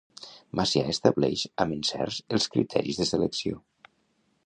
Macià estableix amb encert els criteris de selecció.